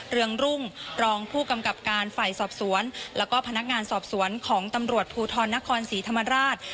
เรืองรุ่งรองผู้กำกับการฝ่ายสอบสวนแล้วก็พนักงานสอบสวนของตำรวจภูทรนครศรีธรรมราช